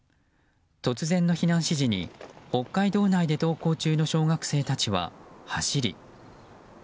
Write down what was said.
突然の避難指示に、北海道内で登校中の小学生たちは走り。